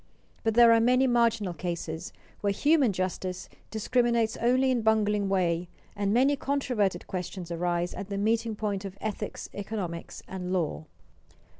But there are many marginal cases where human justice discriminates only in a bungling way, and many controverted questions arise at the meeting point of ethics, economics, and law.